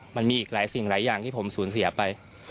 มันมีอีกหลายสิ่งหลายอย่างที่ผมสูญเสียไป